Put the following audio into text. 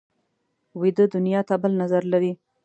ویده دنیا ته بل نظر لري